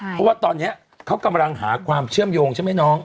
เพราะว่าตอนนี้เขากำลังหาความเชื่อมโยงใช่ไหมน้อง